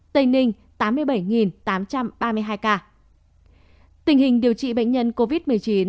điều trị bệnh nhân covid một mươi chín